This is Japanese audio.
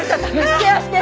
ケアして！